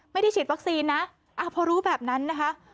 ไม่ได้ฉีดวัคซีนนะพอรู้แบบนั้นนะคะ